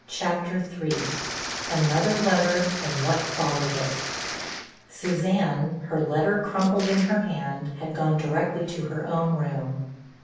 CHAPTER III—ANOTHER LETTER AND WHAT FOLLOWED IT Suzanne, her letter crumpled in her hand, had gone directly to her own room.